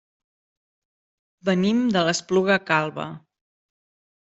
Venim de l'Espluga Calba.